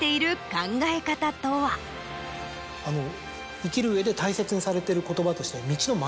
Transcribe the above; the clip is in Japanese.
生きる上で大切にされてる言葉として。